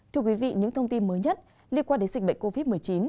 thưa quý vị những thông tin mới nhất liên quan đến dịch bệnh covid một mươi chín